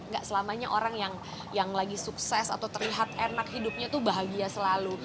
gak selamanya orang yang lagi sukses atau terlihat enak hidupnya tuh bahagia selalu